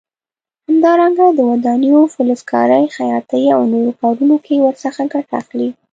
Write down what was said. همدارنګه د ودانیو، فلزکارۍ، خیاطۍ او نورو کارونو کې ورڅخه ګټه اخلي.